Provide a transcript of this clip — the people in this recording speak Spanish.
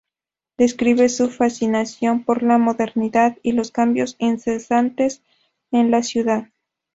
Describe su fascinación por la modernidad y los cambios incesantes en la ciudad.